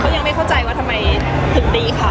ยังไม่เข้าใจว่าทำไมถึงตีเขา